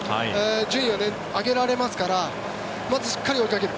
順位を上げられますからまずしっかり追いかける。